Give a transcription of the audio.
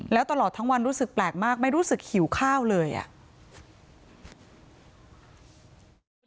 แล้วตลอดทั้งวันรู้สึกแปลกมากไม่รู้สึกหิวข้าวเลยอ่ะ